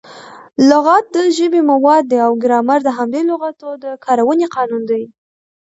لغت د ژبي مواد دي او ګرامر د همدې لغاتو د کاروني قانون دئ.